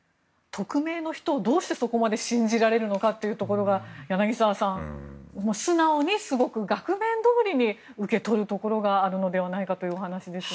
匿名の人をどうしてそこまで信じられるのかというところが柳澤さん、素直に額面通りに受け取るところがあるのではないかというお話ですが。